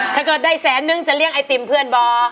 ถ้าเกิดได้แสนนึงจะเลี้ยไอติมเพื่อนบ่